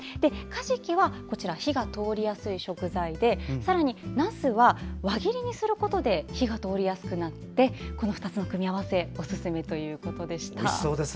かじきは、火が通りやすい食材でさらに、なすの切り方を輪切りなどにすると火が通りやすくなりこの２つの組み合わせおすすめということでした。